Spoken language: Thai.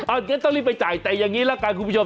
อ้าวเดี๋ยวต้องรีบไปจ่ายแต่อย่างนี้แล้วกันคุณผู้ชม